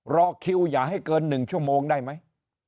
รอคิวอย่าให้เกิน๑ชั่วโมงได้ไหม